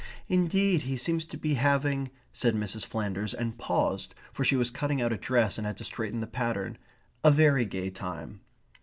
"Indeed he seems to be having ..." said Mrs. Flanders, and paused, for she was cutting out a dress and had to straighten the pattern, "... a very gay time."